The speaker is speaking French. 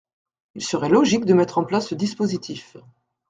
Il serait logique de mettre en place ce dispositif.